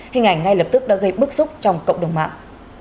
hình ảnh ngay lập tức đã gây bức xúc trong cộng đồng mạng